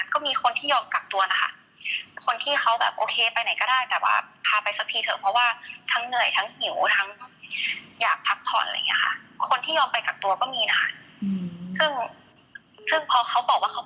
อันนี้มีการหนีได้ไหมคะหลายเราก็คิดว่าหูข่าวออกไปแย่มากเหมือนกันนะเพราะว่าไม่มีใครหนีเลยค่ะ